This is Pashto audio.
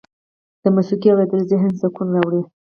د موسیقۍ اوریدل ذهني سکون راوړي.